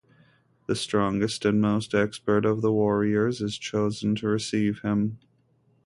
The strongest and most expert of the warriors is chosen to receive him.